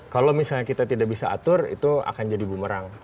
kalau misalnya kita tidak bisa atur itu akan jadi bumerang